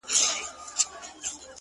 ځكه انجوني وايي له خالو سره راوتي يــو!!